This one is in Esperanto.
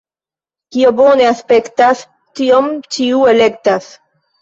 Kio bone aspektas, tion ĉiu elektas.